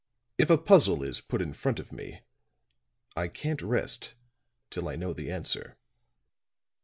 "If a puzzle is put in front of me I can't rest till I know the answer."